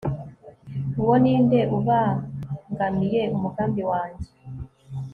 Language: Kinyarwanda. uwo ni nde ubangamiye umugambi wanjye